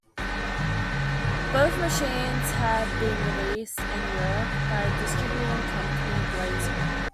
Both machines have been released in Europe by distributing company Blaze Europe.